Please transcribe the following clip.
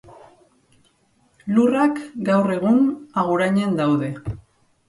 Lurrak, gaur egun, Agurainen daude.